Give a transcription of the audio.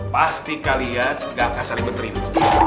pasti kalian gak akan saling berterima